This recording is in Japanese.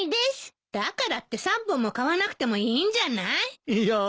だからって３本も買わなくてもいいんじゃない？いや。